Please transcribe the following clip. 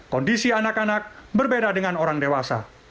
kondisi anak anak berbeda dengan orang dewasa